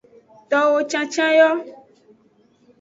Towo cancan yo.